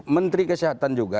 menteri kesehatan juga